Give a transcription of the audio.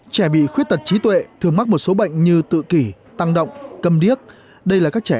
trẻ bị khuyết tật trí tuệ thường mắc một số bệnh như tự kỷ tăng động cầm điếc đây là các trẻ